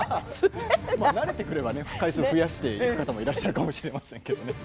慣れてくれば回数を増やしてくる方もいらっしゃるかもしれませんけど。